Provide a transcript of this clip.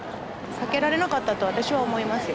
避けられなかったと私は思いますよ。